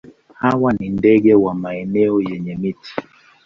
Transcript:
Hawa ni ndege wa maeneo yenye miti.